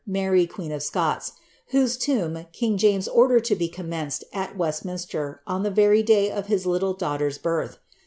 Mary queen of Scois, mimt tomb king James ordered to be eonuaenced at Westminster oo ibe Ttff day of his little daughter's birlh.